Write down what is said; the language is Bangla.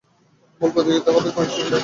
মূল প্রতিযোগিতা হবে কোয়েম্বাটুরে।